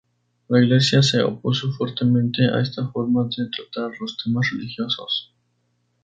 La Iglesia se opuso fuertemente a esta forma de tratar los temas religiosos.